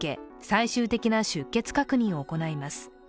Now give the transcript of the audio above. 最終的な出欠確認を行います。